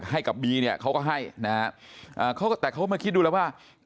ให้กับบีเนี่ยเขาก็ให้นะฮะแต่เขามาคิดดูแล้วว่า